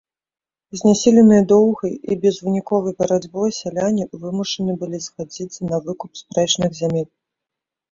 Знясіленыя доўгай і безвыніковай барацьбой сяляне вымушаны былі згадзіцца на выкуп спрэчных зямель.